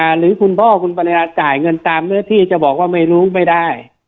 หรือคุณพ่อคุณปรินาจ่ายเงินตามเนื้อที่จะบอกว่าไม่รู้ไม่ได้